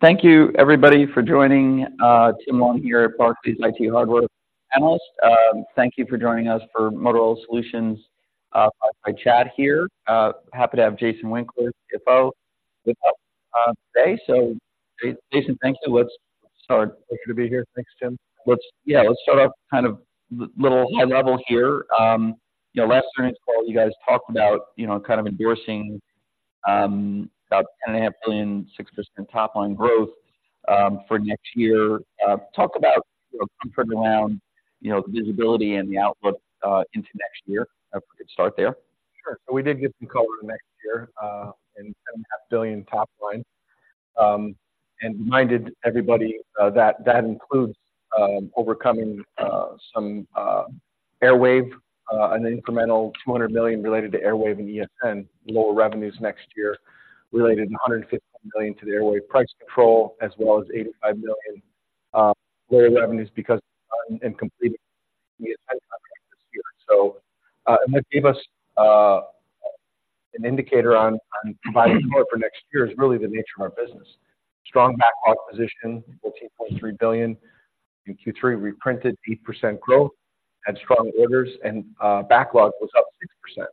Thank you, everybody, for joining, Tim Long here at Barclays, IT Hardware Analyst. Thank you for joining us for Motorola Solutions, live by chat here. Happy to have Jason Winkler, CFO, with us, today. So Jason, thank you. Let's start. Pleasure to be here. Thanks, Tim. Let's, yeah, let's start off kind of little high level here. You know, last earnings call, you guys talked about, you know, kind of endorsing, about $10.5 billion, 6% top line growth, for next year. Talk about, you know, comfort around, you know, the visibility and the outlook, into next year. If we could start there. Sure. So we did give some color next year, and $7.5 billion top line. And reminded everybody, that that includes, overcoming, some, Airwave, an incremental $200 million related to Airwave and ESN, lower revenues next year, related $150 million to the Airwave price control, as well as $85 million, lower revenues because, and completing the contract this year. So, and that gave us, an indicator on, on providing more for next year is really the nature of our business. Strong backlog position, $14.3 billion. In Q3, we printed 8% growth and strong orders, and, backlog was up 6%.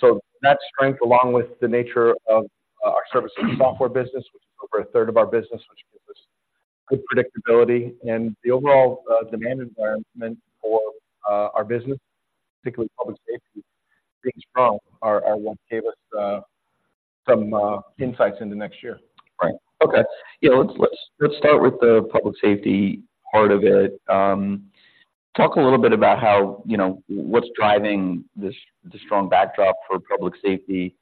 So that strength, along with the nature of our service and software business, which is over a third of our business, which gives us good predictability and the overall demand environment for our business, particularly public safety, being strong, are, are what gave us some insights into next year. Right. Okay, yeah, let's, let's start with the public safety part of it. Talk a little bit about how, you know, what's driving this, the strong backdrop for public safety,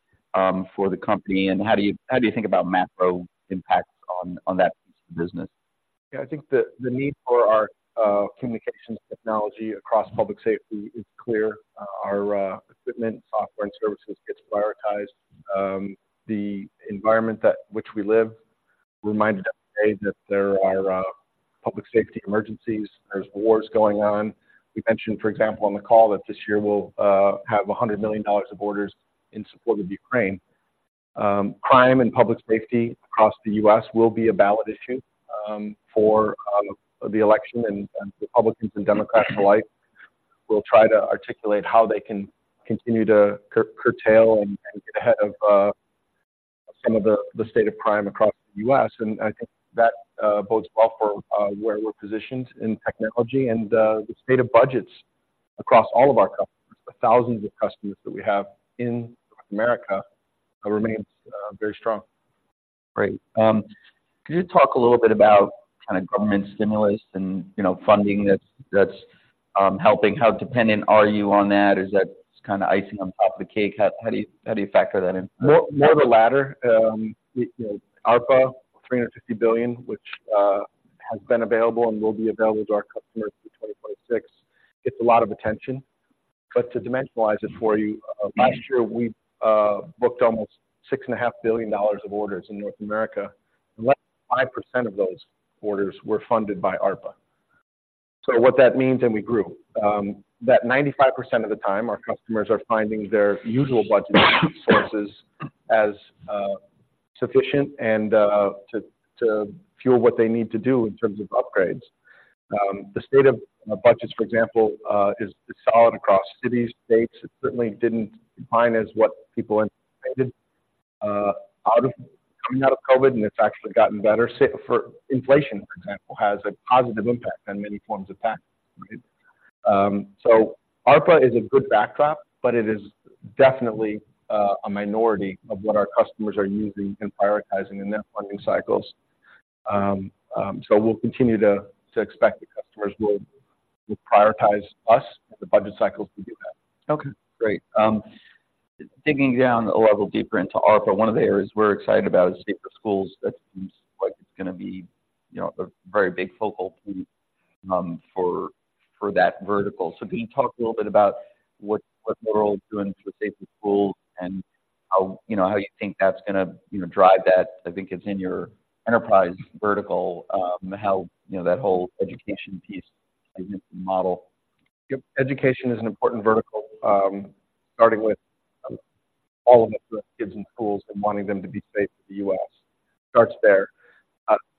for the company, and how do you, how do you think about macro impacts on, on that business? Yeah, I think the need for our communications technology across public safety is clear. Our equipment, software, and services gets prioritized. The environment that which we live reminded us today that there are public safety emergencies. There's wars going on. We mentioned, for example, on the call, that this year we'll have $100 million of orders in support of Ukraine. Crime and public safety across the U.S. will be a ballot issue for the election, and Republicans and Democrats alike will try to articulate how they can continue to curtail and get ahead of some of the state of crime across the U.S. And I think that bodes well for where we're positioned in technology and the state of budgets across all of our customers. The thousands of customers that we have in North America remains very strong. Great. Could you talk a little bit about kind of government stimulus and, you know, funding that's helping? How dependent are you on that? Is that kind of icing on top of the cake? How do you factor that in? More, more of the latter. ARPA, $350 billion, which has been available and will be available to our customers through 2026, gets a lot of attention. But to dimensionalize it for you, last year, we booked almost $6.5 billion of orders in North America, and less than 5% of those orders were funded by ARPA. So what that means, and we grew, that 95% of the time, our customers are finding their usual budget sources as sufficient and to fuel what they need to do in terms of upgrades. The state of budgets, for example, is solid across cities, states. It certainly didn't decline as what people anticipated coming out of COVID, and it's actually gotten better. For inflation, for example, has a positive impact on many forms of tax. So ARPA is a good backdrop, but it is definitely a minority of what our customers are using and prioritizing in their funding cycles. So we'll continue to expect the customers will prioritize us and the budget cycles to do that. Okay, great. Digging down a level deeper into ARPA, one of the areas we're excited about is Safer Schools. That seems like it's gonna be, you know, a very big focal point for that vertical. So can you talk a little bit about what Motorola is doing for safer schools and how, you know, how you think that's gonna, you know, drive that? I think it's in your enterprise vertical, how, you know, that whole education piece significant model. Yep, education is an important vertical, starting with all of the kids in schools and wanting them to be safe in the U.S. Starts there.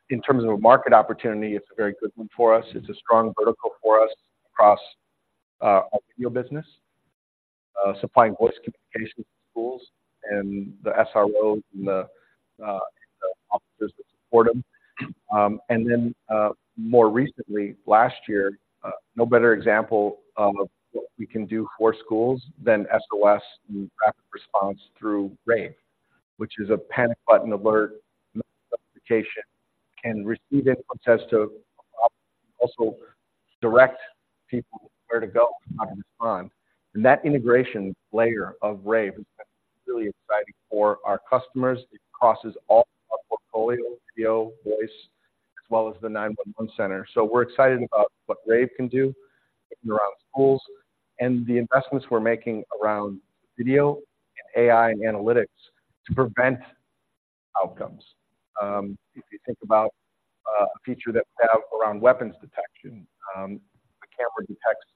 In terms of a market opportunity, it's a very good one for us. It's a strong vertical for us across our video business, supplying voice communications to schools and the SROs and the officers that support them. And then, more recently, last year, no better example of what we can do for schools than SOS and rapid response through Rave, which is a panic button alert notification, can receive inputs as to also direct people where to go and how to respond. And that integration layer of Rave is really exciting for our customers. It crosses all our portfolio, video, voice, as well as the 911 center. So we're excited about what Rave can do around schools and the investments we're making around video and AI and analytics to prevent outcomes. If you think about a feature that we have around weapons detection, a camera detects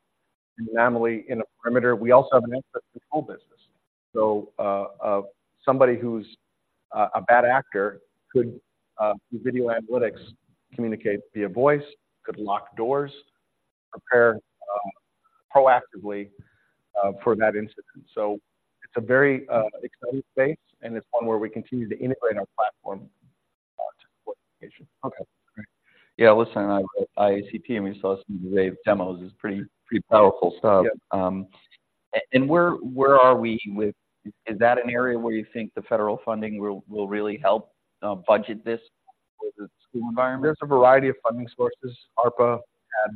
an anomaly in a perimeter. We also have an access control business. So somebody who's a bad actor could through video analytics communicate via voice could lock doors prepare proactively for that incident. So it's a very exciting space, and it's one where we continue to integrate our platform to support the parent. Okay, great. Yeah, listen, I was at IACP, and we saw some of the demos. It's pretty, pretty powerful stuff. Yeah. And where are we with? Is that an area where you think the federal funding will really help budget this with the school environment? There's a variety of funding sources. ARPA had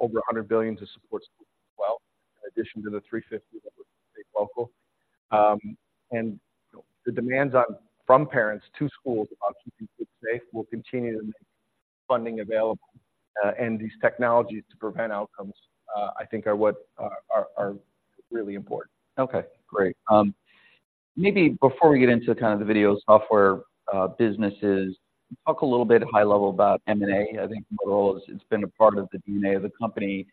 over $100 billion to support schools as well, in addition to the $350 billion that was state local. You know, the demands from parents to schools about keeping kids safe will continue to make funding available, and these technologies to prevent outcomes, I think, are what are really important. Okay, great. Maybe before we get into kind of the video software, businesses, talk a little bit high level about M&A. I think Motorola, it's been a part of the DNA of the company,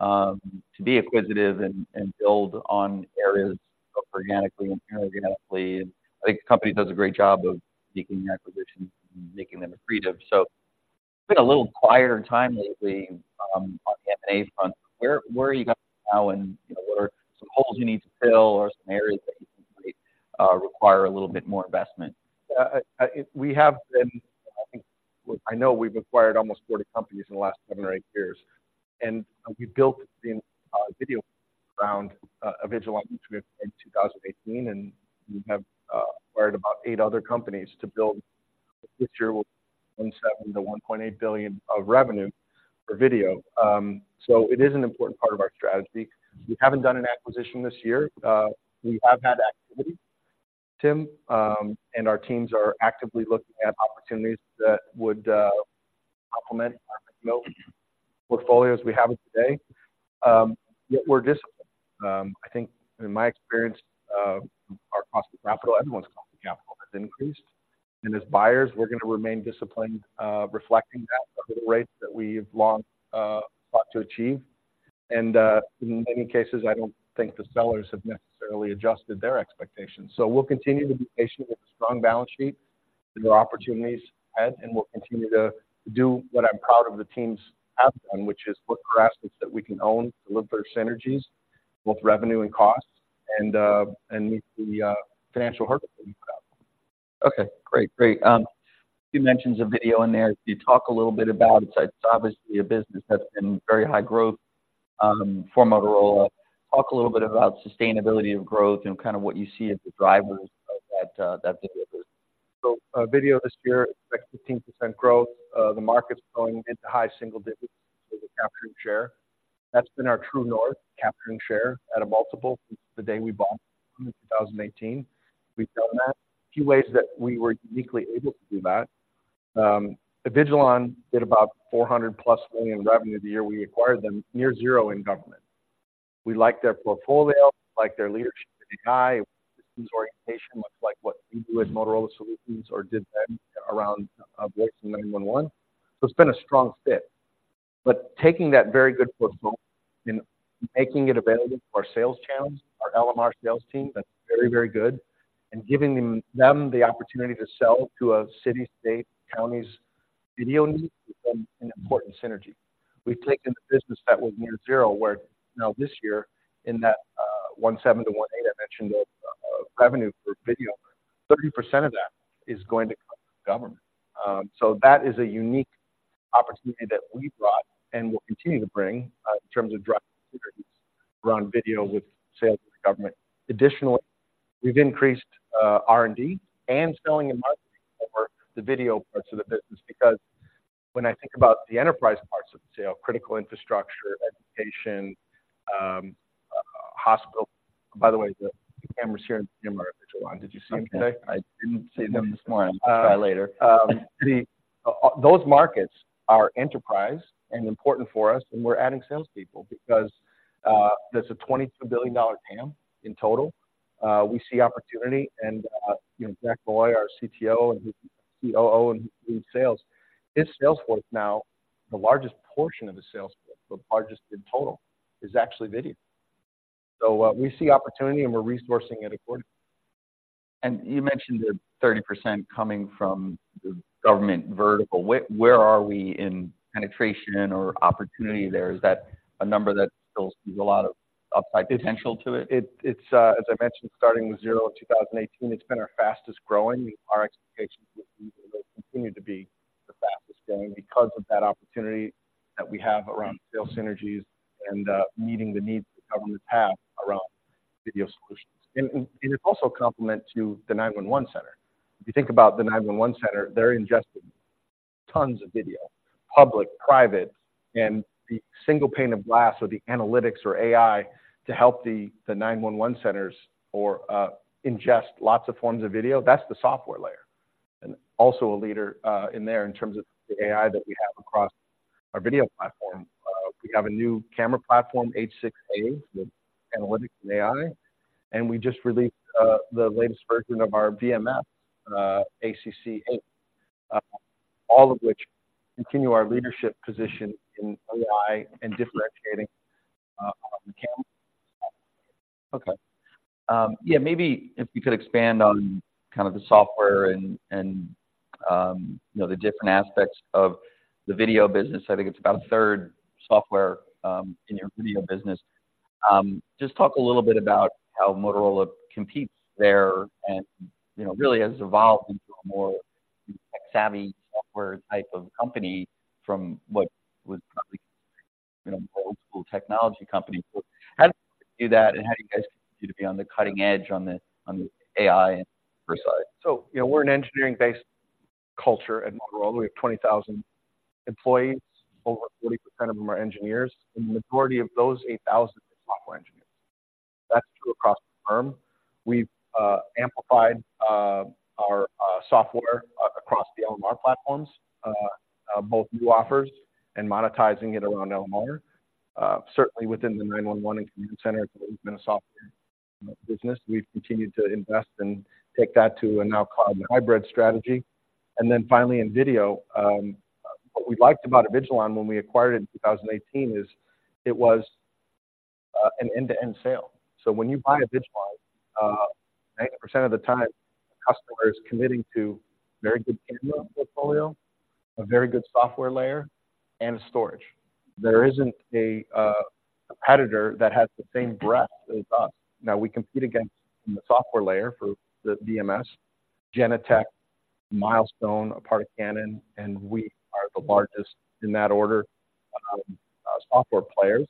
to be acquisitive and build on areas both organically and inorganically. I think the company does a great job of making acquisitions and making them accretive. So it's been a little quieter time lately, on the M&A front. Where are you guys now, and, you know, what are some holes you need to fill, or some areas that you think might require a little bit more investment? We have been, I think... I know we've acquired almost 40 companies in the last seven or eight years, and we built the video around Avigilon, which we acquired in 2018, and we have acquired about eight other companies to build. This year, we'll be $1.7-1.8 billion of revenue for video. So it is an important part of our strategy. We haven't done an acquisition this year. We have had activity, Tim, and our teams are actively looking at opportunities that would complement our portfolio as we have it today. Yet we're disciplined. I think in my experience, our cost of capital, everyone's cost of capital has increased, and as buyers, we're going to remain disciplined, reflecting that the rates that we've long sought to achieve. In many cases, I don't think the sellers have necessarily adjusted their expectations. We'll continue to be patient with a strong balance sheet as there are opportunities ahead, and we'll continue to do what I'm proud of the teams have done, which is look for assets that we can own to deliver synergies, both revenue and costs, and and meet the financial hurdles that we've got. Okay, great. Great, you mentioned the video in there. Can you talk a little bit about it? It's obviously a business that's been very high growth, for Motorola. Talk a little bit about sustainability of growth and kind of what you see as the drivers of that, that video business. So, video this year expects 15% growth. The market's growing into high single digits with the capturing share. That's been our true north, capturing share at a multiple since the day we bought in 2018. We've done that. A few ways that we were uniquely able to do that, Avigilon did about $400+ million in revenue the year we acquired them, near zero in government. We liked their portfolio, we liked their leadership in AI, systems orientation, much like what we do at Motorola Solutions or did then around, voice and 911. So it's been a strong fit. But taking that very good portfolio and making it available to our sales channels, our LMR sales team, that's very, very good, and giving them the opportunity to sell to a city, state, county's video needs has been an important synergy. We've taken the business that was near zero, where now this year, in that, 17 to 18, I mentioned the revenue for video, 30% of that is going to come from government. So that is a unique opportunity that we brought and will continue to bring, in terms of driving synergies around video with sales to the government. Additionally, we've increased R&D and selling and marketing for the video parts of the business. Because when I think about the enterprise parts of the sale, critical infrastructure, education, hospital... By the way, the cameras here in are Avigilon. Did you see them today? I didn't see them this morning. I'll try later. Those markets are enterprise and important for us, and we're adding salespeople because there's a $22 billion TAM in total. We see opportunity and, you know, Jack Molloy, our CTO, and his COO, and leads sales, his sales force now, the largest portion of the sales force, the largest in total, is actually video. We see opportunity, and we're resourcing it accordingly. You mentioned the 30% coming from the government vertical. Where are we in penetration or opportunity there? Is that a number that still leaves a lot of upside potential to it? As I mentioned, starting with zero in 2018, it's been our fastest growing. Our expectations is it will continue to be the fastest growing because of that opportunity that we have around sales synergies and meeting the needs that governments have around video solutions. And it's also a complement to the 911 center. If you think about the 911 center, they're ingesting tons of video, public, private, and the single pane of glass or the analytics or AI to help the 911 centers ingest lots of forms of video, that's the software layer. Also a leader in there in terms of the AI that we have across our video platform. We have a new camera platform, H6A, with analytics and AI, and we just released the latest version of our VMS, ACC8. All of which continue our leadership position in AI and differentiating on the camera. Okay. Yeah, maybe if you could expand on kind of the software and you know, the different aspects of the video business. I think it's about a third software in your video business. Just talk a little bit about how Motorola competes there and, you know, really has evolved into a more tech-savvy software type of company from what was probably, you know, an old school technology company. How did you do that, and how do you guys continue to be on the cutting edge on the, on the AI side? So, you know, we're an engineering-based culture at Motorola. We have 20,000 employees, over 40% of them are engineers, and the majority of those 8,000 are software engineers. That's true across the firm. We've amplified our software across the LMR platforms, both new offers and monetizing it around LMR. Certainly within the 911 and command center, we've been a software business. We've continued to invest and take that to a now cloud hybrid strategy. And then finally, in video, what we liked about Avigilon when we acquired it in 2018, is it was an end-to-end sale. So when you buy Avigilon, 90% of the time, the customer is committing to very good camera portfolio, a very good software layer, and storage. There isn't a competitor that has the same breadth as us. Now, we compete against, in the software layer for the VMS, Genetec, Milestone, a part of Canon, and we are the largest in that order, software players.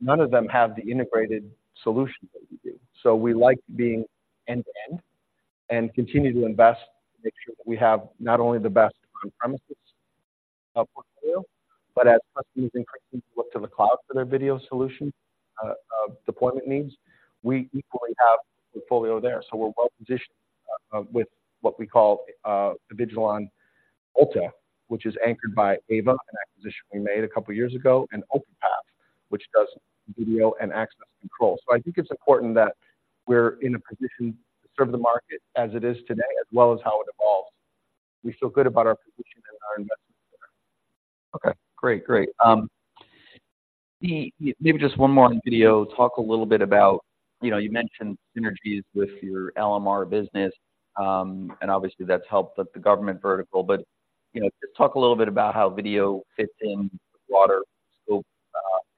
None of them have the integrated solution that we do. So we like being end-to-end and continue to invest to make sure that we have not only the best on-premises portfolio, but as customers increasingly look to the cloud for their video solution, deployment needs, we equally have a portfolio there. So we're well-positioned with what we call the Avigilon Alta, which is anchored by Ava, an acquisition we made a couple of years ago, and Openpath, which does video and access control. So I think it's important that we're in a position to serve the market as it is today, as well as how it evolves. We feel good about our position and our investments there. Okay, great. Great. Maybe just one more on video. Talk a little bit about, you know, you mentioned synergies with your LMR business, and obviously, that's helped with the government vertical, but, you know, just talk a little bit about how video fits in broader scope,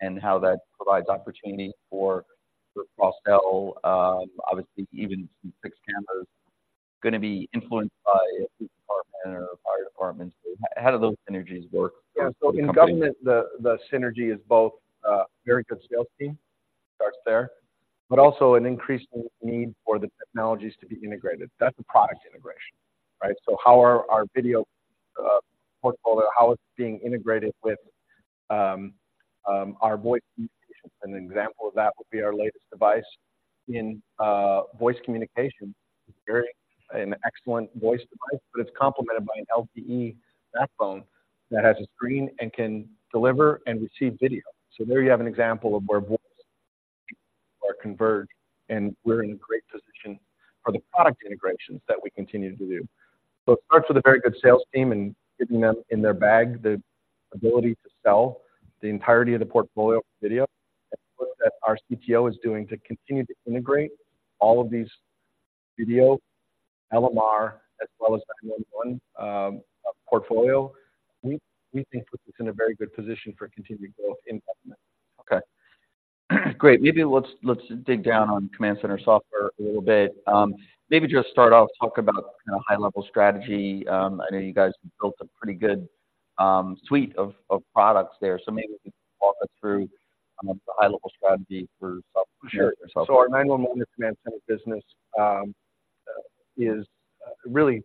and how that provides opportunity for cross-sell. Obviously, even fixed cameras are going to be influenced by a police department or a fire department. How do those synergies work? Yeah. So in government, the synergy is both very good sales team starts there, but also an increasing need for the technologies to be integrated. That's a product integration, right? So how are our video portfolio, how it's being integrated with our voice communications. An example of that would be our latest device in voice communication. An excellent voice device, but it's complemented by an LTE backbone that has a screen and can deliver and receive video. So there you have an example of where voice are converged, and we're in a great position for the product integrations that we continue to do. So it starts with a very good sales team and giving them in their bag the ability to sell the entirety of the portfolio of video. What our CTO is doing to continue to integrate all of these video, LMR, as well as 911 portfolio, we think puts us in a very good position for continued growth in government. Okay, great. Maybe let's, let's dig down on command center software a little bit. Maybe just start off, talk about kind of high-level strategy. I know you guys have built a pretty good, suite of, of products there, so maybe you could walk us through, the high-level strategy for software. Sure. So our 911 command center business is really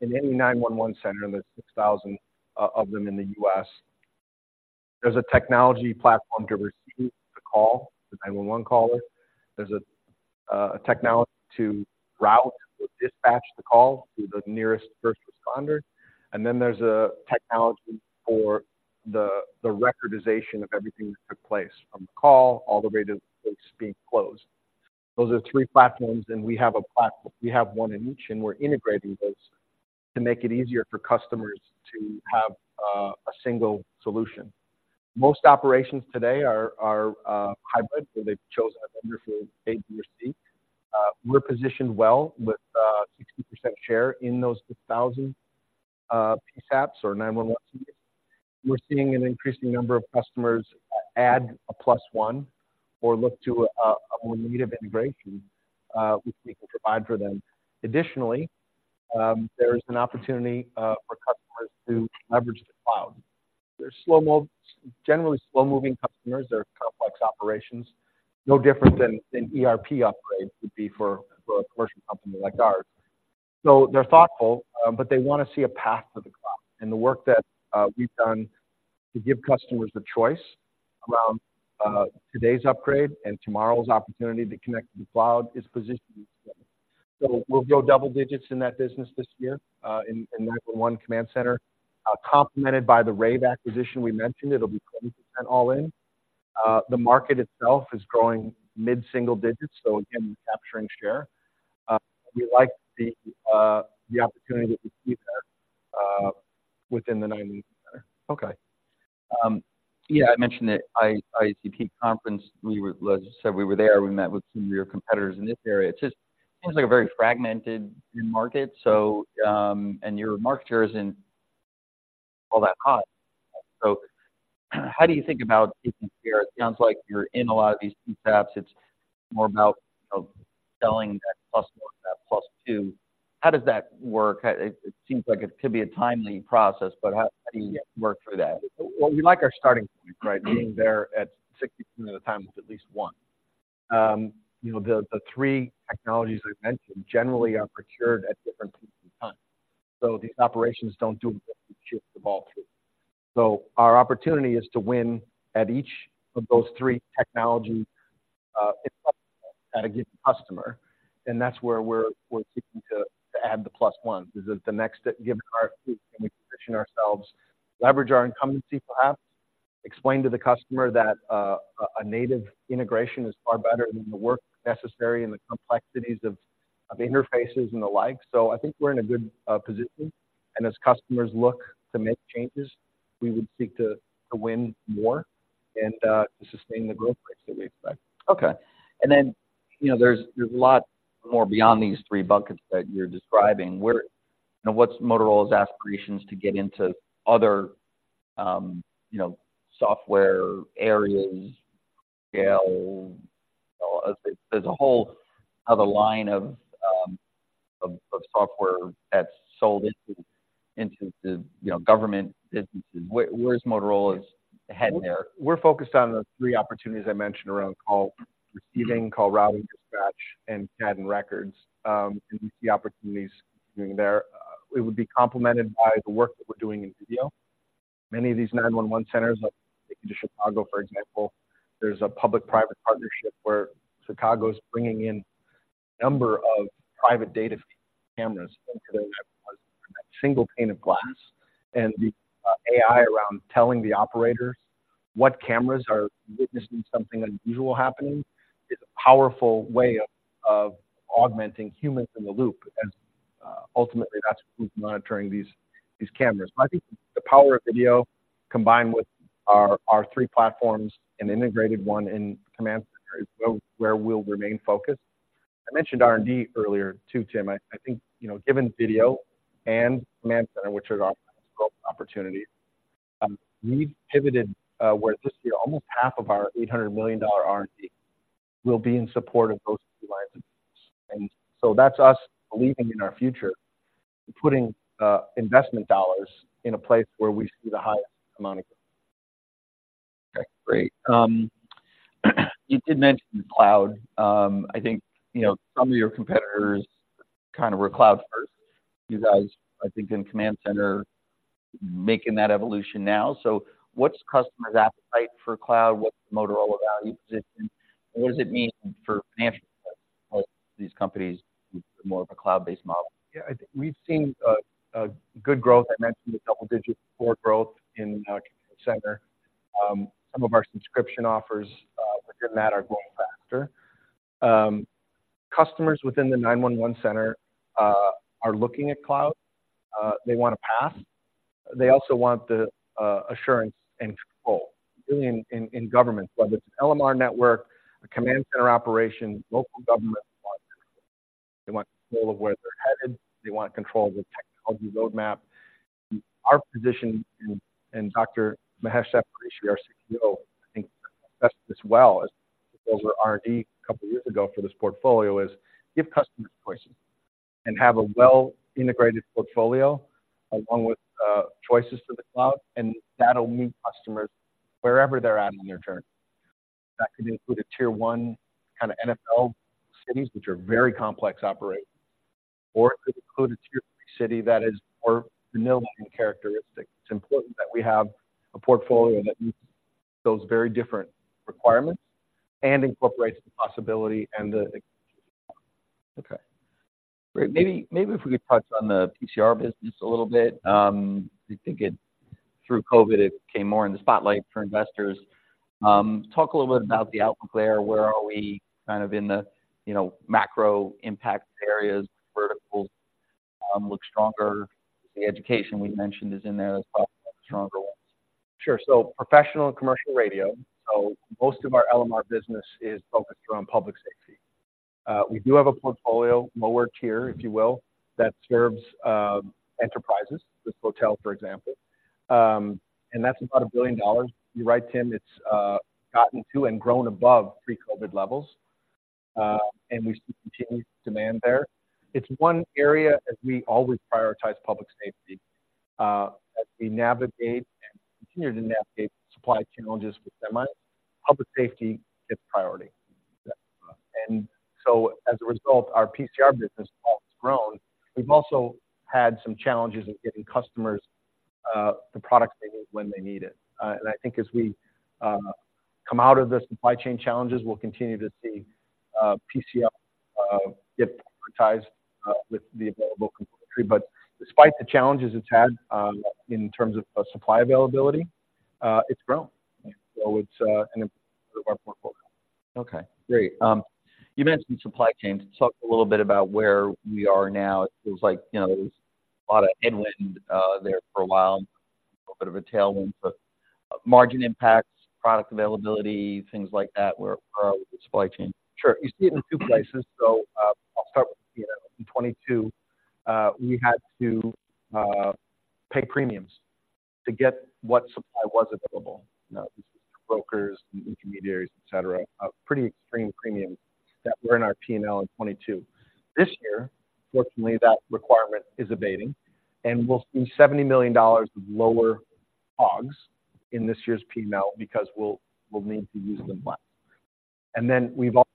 in any 911 center, and there's 6,000 of them in the U.S., there's a technology platform to receive the call, the 911 caller. There's a technology to route or dispatch the call to the nearest first responder, and then there's a technology for the recordization of everything that took place, from the call all the way to the case being closed. Those are the three platforms, and we have a platform. We have one in each, and we're integrating those to make it easier for customers to have a single solution. Most operations today are hybrid, where they've chosen a vendor for A, B, or C. We're positioned well with 60% share in those 6,000 PSAPs or 911. We're seeing an increasing number of customers add a plus one or look to a more native integration, which we can provide for them. Additionally, there's an opportunity for customers to leverage the cloud. They're generally slow-moving customers. They're complex operations, no different than an ERP upgrade would be for a commercial company like ours. So they're thoughtful, but they want to see a path to the cloud. And the work that we've done to give customers the choice around today's upgrade and tomorrow's opportunity to connect to the cloud is positioning. So we'll go double digits in that business this year in 911 command center, complemented by the Rave acquisition we mentioned. It'll be 20% all in. The market itself is growing mid-single digits, so again, we're capturing share. We like the opportunity to see that within the nine months. Okay. Yeah, I mentioned the IACP conference. Like I said, we were there, we met with some of your competitors in this area. It just seems like a very fragmented market. So, and your market share isn't all that hot. So how do you think about it here? It sounds like you're in a lot of these concepts. It's more about, you know, selling that plus one, that plus two. How does that work? It seems like it could be a timely process, but how do you work through that? Well, we like our starting point, right? Being there at 60% of the time with at least one. You know, the three technologies I mentioned generally are procured at different points in time. So these operations don't do the ball too. So our opportunity is to win at each of those three technology at a given customer, and that's where we're seeking to add the plus ones. Is that the next given our position ourselves, leverage our incumbency, perhaps. Explain to the customer that a native integration is far better than the work necessary and the complexities of interfaces and the like. So I think we're in a good position, and as customers look to make changes, we would seek to win more and to sustain the growth rates that we expect. Okay, and then, you know, there's a lot more beyond these three buckets that you're describing. Where... Now, what's Motorola's aspirations to get into other, you know, software areas, scale? There's a whole other line of software that's sold into the, you know, government businesses. Where's Motorola's heading there? We're focused on the three opportunities I mentioned around call receiving, call routing, dispatch, and CAD and records, and we see opportunities there. It would be complemented by the work that we're doing in video. Many of these 911 centers, like Chicago, for example, there's a public-private partnership where Chicago is bringing in a number of private data cameras into the single pane of glass, and the AI around telling the operators what cameras are witnessing something unusual happening, is a powerful way of augmenting humans in the loop, as ultimately, that's who's monitoring these cameras. I think the power of video, combined with our three platforms, an integrated one in command center, is where we'll remain focused. I mentioned R&D earlier, too, Tim. I think, you know, given video and command center, which are our growth opportunities, we've pivoted, where this year, almost half of our $800 million R&D will be in support of those two lines. So that's us believing in our future, putting investment dollars in a place where we see the highest amount of growth. Okay, great. You did mention the cloud. I think, you know, some of your competitors kind of were cloud first. You guys, I think, in command center, making that evolution now. So what's customers' appetite for cloud? What's Motorola value position? What does it mean for financial, these companies with more of a cloud-based model? Yeah, I think we've seen a good growth. I mentioned the double-digit support growth in command center. Some of our subscription offers within that are growing faster. Customers within the 911 center are looking at cloud. They want a path. They also want the assurance and control, really in government, whether it's an LMR network, a command center operation, local government, they want control of where they're headed. They want control of the technology roadmap. Our position and Dr. Mahesh Saptharishi, our CTO, I think, invested as well as over R&D a couple of years ago for this portfolio, is give customers choices and have a well-integrated portfolio along with choices to the cloud, and that'll meet customers wherever they're at on their journey. That can include a tier one kind of NFL cities, which are very complex operations, or it could include a tier three city that is more mild characteristics. It's important that we have a portfolio that meets those very different requirements and incorporates the possibility and the... Okay, great. Maybe, maybe if we could touch on the PCR business a little bit. I think through COVID, it came more in the spotlight for investors. Talk a little bit about the outlook there. Where are we kind of in the, you know, macro impact areas, verticals, look stronger. The education we mentioned is in there as well, the stronger ones. Sure. So professional and commercial radio. So most of our LMR business is focused around public safety. We do have a portfolio, lower tier, if you will, that serves enterprises, this hotel, for example. And that's about $1 billion. You're right, Tim, it's gotten to and grown above pre-COVID levels, and we see continued demand there. It's one area, as we always prioritize public safety, as we navigate and continue to navigate supply challenges with semis, public safety gets priority. And so as a result, our PCR business has grown. We've also had some challenges in getting customers the products they need when they need it. And I think as we come out of the supply chain challenges, we'll continue to see PCR get prioritized with the available componentry. But despite the challenges it's had, in terms of supply availability, it's grown. So it's an important part of our portfolio. Okay, great. You mentioned supply chains. Talk a little bit about where we are now. It was like, you know, there was a lot of headwind there for a while, a little bit of a tailwind, but margin impacts, product availability, things like that, where with the supply chain? Sure. You see it in two places. So, I'll start with, you know, in 2022, we had to pay premiums to get what supply was available. You know, this is brokers and intermediaries, et cetera. A pretty extreme premium that were in our P&L in 2022. This year, fortunately, that requirement is abating, and we'll see $70 million of lower COGS in this year's P&L because we'll need to use them less. And then we've also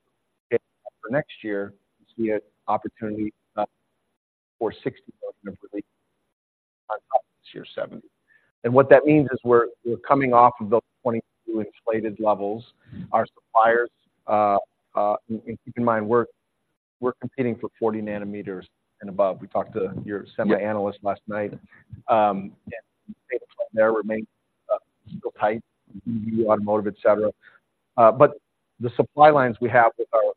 for next year, see an opportunity for $60 million of release this year, seventy. And what that means is we're coming off of those 2022 inflated levels. Our suppliers, and keep in mind, we're competing for 40nm and above. We talked to your semi analyst last night, and there remains still tight, automotive, et cetera. But the supply lines we have with our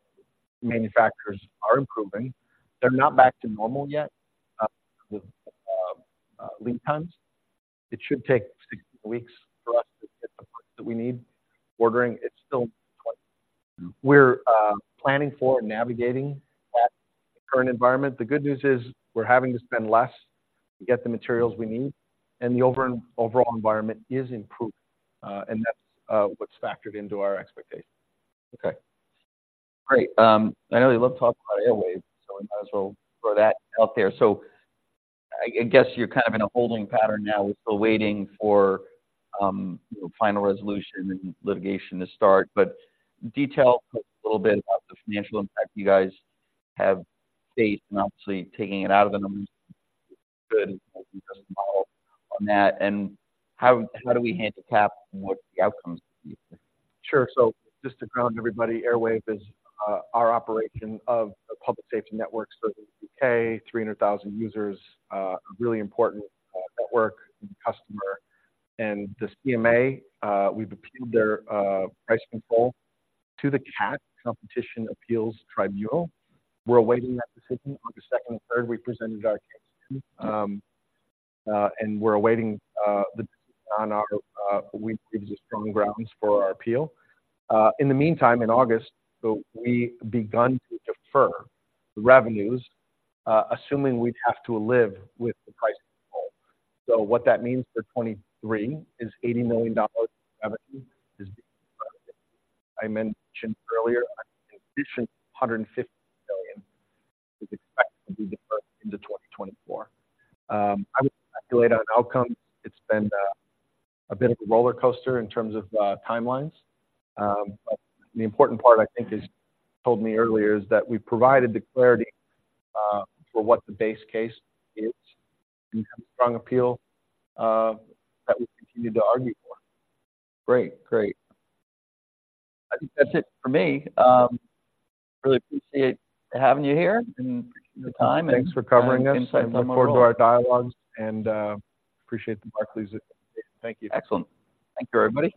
manufacturers are improving. They're not back to normal yet, with lead times. It should take six weeks for us to get the points that we need. Ordering, it's still... We're planning for and navigating that current environment. The good news is, we're having to spend less to get the materials we need, and the overall environment is improving, and that's what's factored into our expectations. Okay, great. I know you love to talk about Airwave, so we might as well throw that out there. So I, I guess you're kind of in a holding pattern now. We're still waiting for, you know, final resolution and litigation to start, but detail a little bit about the financial impact you guys have faced and obviously taking it out of the numbers. Good on that, and how, how do we handicap what the outcome is? Sure. So just to ground everybody, Airwave is, our operation of a public safety network. So the UK, 300,000 users, a really important, network customer. And the CMA, we've appealed their, price control to the CAT, Competition Appeal Tribunal. We're awaiting that decision. On the second and third, we presented our case to, and we're awaiting, the decision on our, we believe, is a strong grounds for our appeal. In the meantime, in August, so we begun to defer the revenues, assuming we'd have to live with the price control. So what that means for 2023 is $80 million revenue is being... I mentioned earlier, in addition, $150 million is expected to be deferred into 2024. I would speculate on outcome. It's been a bit of a roller coaster in terms of timelines. But the important part, I think, is told me earlier, is that we provided the clarity for what the base case is, and have a strong appeal that we continue to argue for. Great. Great. I think that's it for me. Really appreciate having you here and appreciate your time and- Thanks for covering us. -insights. I look forward to our dialogues and appreciate the Barclays. Thank you. Excellent. Thank you, everybody.